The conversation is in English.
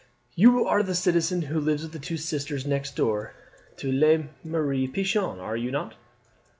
"You are the citizen who lives with his two sisters next door to La Mere Pichon, are you not?"